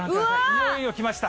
いよいよ来ました。